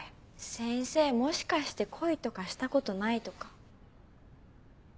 先生もしかして恋とかしたことないとか？